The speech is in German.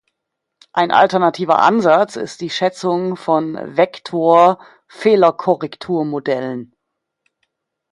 Ein alternativer Ansatz ist die Schätzung von Vektor-Fehlerkorrektur-Modellen.